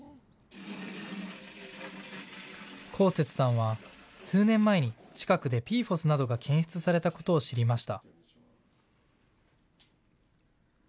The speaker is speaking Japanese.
幸節さんは数年前に近くでＰＦＯＳなどが検出されたことを知りました。